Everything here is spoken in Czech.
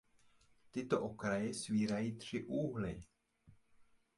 Tyto okraje svírají tři úhly.